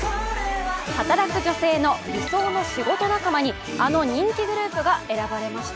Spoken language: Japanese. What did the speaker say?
働く女性の理想の仕事仲間にあの人気グループが選ばれました。